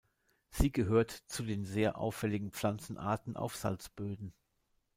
Sie gehört zu den sehr auffälligen Pflanzenarten auf Salzböden.